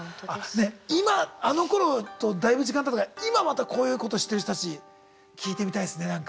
今あのころとだいぶ時間たったから今またこういうことしてる人たち聞いてみたいですねなんか。